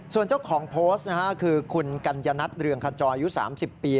ส่วนเจ้าของโพสต์คือคุณกัญญัติเรืองคันจอยอยู่๓๐ปี